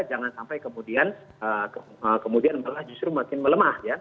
jangan sampai kemudian malah justru makin melemah